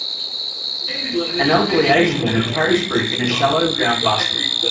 An elderly Asian woman carries fruit in a shallow round basket.